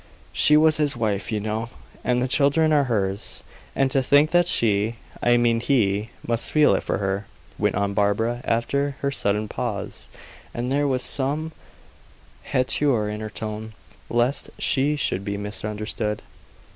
She was his wife, you know, and the children are hers; and to think that she I mean he must feel it for her," went on Barbara after her sudden pause, and there was some hauteur in her tone lest she should be misunderstood.